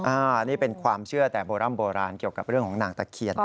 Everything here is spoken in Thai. อันนี้เป็นความเชื่อแต่โบร่ำโบราณเกี่ยวกับเรื่องของนางตะเคียน